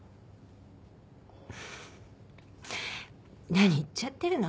何言っちゃってるの。